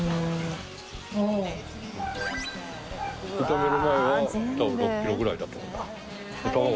炒める前は多分６キロぐらいだと思う。